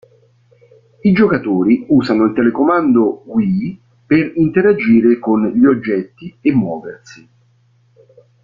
I giocatori usano il telecomando Wii per interagire con gli oggetti e muoversi.